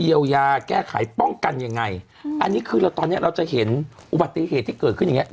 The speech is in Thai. เยียวยาแก้ไขป้องกันยังไงอันนี้คือเราตอนเนี้ยเราจะเห็นอุบัติเหตุที่เกิดขึ้นอย่างเงี้